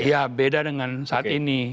ya beda dengan saat ini